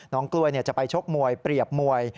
กล้วยจะไปชกมวยเปรียบมวย